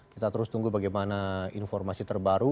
kita terus tunggu bagaimana informasi terbaru